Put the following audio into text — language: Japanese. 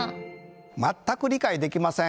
全く理解できません。